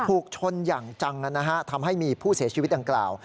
ถูกชนอย่างจังทำให้มีผู้เสียชีวิตดังกล่าว